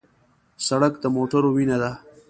سړک د موټرو وینه ده.